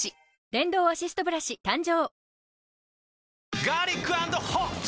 電動アシストブラシ誕生